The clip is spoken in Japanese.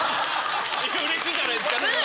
うれしいじゃないですかねぇ！